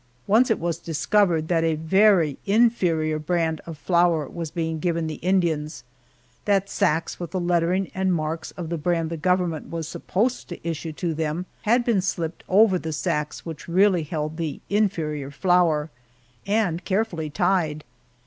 Once it was discovered that a very inferior brand of flour was being given the Indians that sacks with the lettering and marks of the brand the government was supposed to issue to them had been slipped over the sacks which really held the inferior flour, and carefully tied.